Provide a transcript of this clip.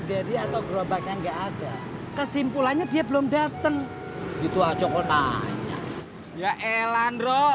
dedy atau gerobaknya enggak ada kesimpulannya dia belum dateng gitu acok lo tanya ya elandro